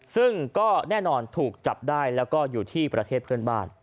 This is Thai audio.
ซึ่งก็แน่นอนถูกจับได้แล้วก็อยู่ที่ประเทศเพื่อนบ้าน